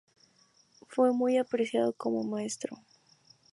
Fue muy apreciado como maestro.